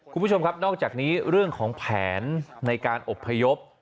คุณผู้ชมครับนอกจากนี้เรื่องของแผนในการอบพยพ